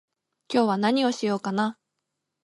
今日は何をしようかな